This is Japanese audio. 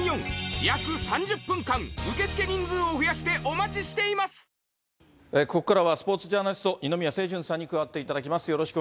果たして、ここからはスポーツジャーナリスト、二宮清純さんに加わっていただきます。